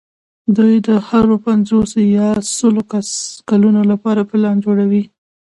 دوی د هرو پینځو یا لسو کلونو لپاره پلان جوړوي.